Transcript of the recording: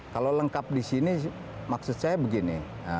kalau lengkap di sini maksud saya begini